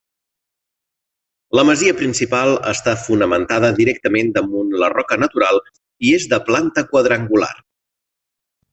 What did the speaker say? La masia principal està fonamentada directament damunt la roca natural i és de planta quadrangular.